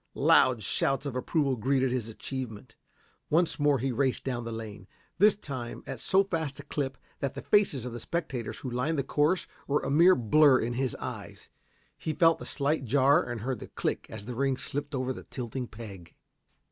Loud shouts of approval greeted his achievement. Once more he raced down the lane, this time at so fast a clip that the faces of the spectators who lined the course were a mere blur in his eyes. He felt the slight jar and heard the click as the ring slipped over the tilting peg.